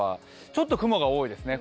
ちょっと雲が多いですね。